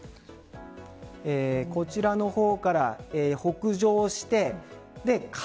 こちらの方から北上して風、